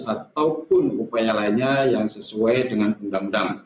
ataupun upaya lainnya yang sesuai dengan undang undang